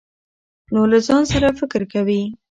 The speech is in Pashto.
نو له ځان سره فکر کوي ،